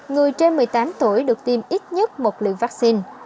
người trên một mươi tám tuổi được tiêm ít nhất một lượng vaccine